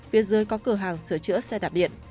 phía dưới có cửa hàng sửa chữa xe đạp điện